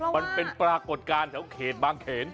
มันเป็นปรากฏการณ์แถวเขตบางเขน